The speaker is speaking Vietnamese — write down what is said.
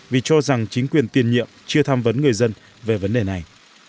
vì cho rằng chính quyền tiền nhiệm chưa tham vấn người dân về vấn đề này